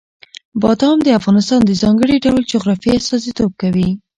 بادام د افغانستان د ځانګړي ډول جغرافیه استازیتوب کوي.